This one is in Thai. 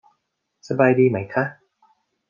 สบายดีไหมค่ะ